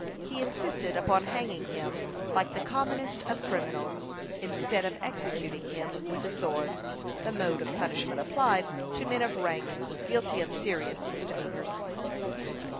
He insisted upon hanging him like the commonest of criminals, instead of executing him with the sword, the mode of punishment applied to men of rank guilty of serious misdemeanors.